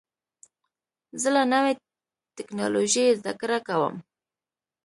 زه له نوې ټکنالوژۍ زده کړه کوم.